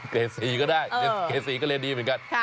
เกรด๔ก็ได้เกรด๔ก็เรียนดีเหมือนกัน